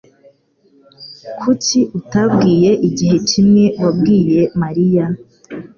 Kuki utabwiye igihe kimwe wabwiye Mariya?